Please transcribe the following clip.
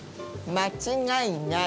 間違いない？